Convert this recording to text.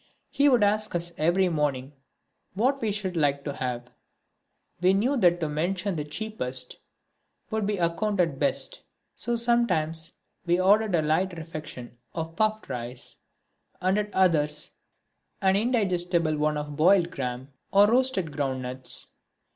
He would ask us every morning what we should like to have. We knew that to mention the cheapest would be accounted best, so sometimes we ordered a light refection of puffed rice, and at others an indigestible one of boiled gram or roasted groundnuts.